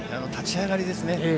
立ち上がりですね。